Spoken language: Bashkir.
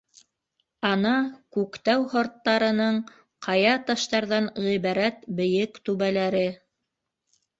Ана, Күктау һырттарының ҡая таштарҙан ғибәрәт бейек түбәләре.